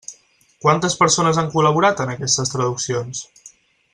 Quantes persones han col·laborat en aquestes traduccions?